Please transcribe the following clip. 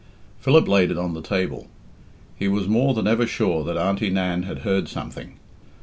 Philip laid it on the table. He was more than ever sure that Auntie Nan had heard something.